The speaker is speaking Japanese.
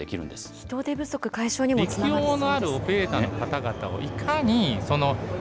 人手不足解消にもつながりそうですね。